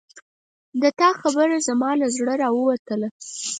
د تا خبره زما له زړه راووتله